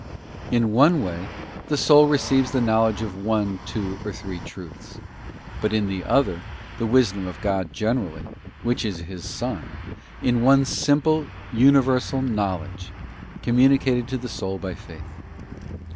In one way the soul receives the know ledge of one, two, or three truths; but in the other the Wisdom of God generally, which is His Son, in one simple universal knowledge communicated to the soul by Faith.